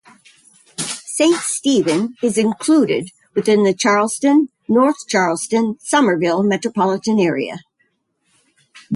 Saint Stephen is included within the Charleston-North Charleston-Summerville metropolitan area.